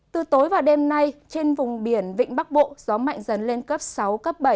từ tối vào đêm nay trên vùng biển vĩnh bắc bộ gió mạnh dần lên cấp sáu cấp bảy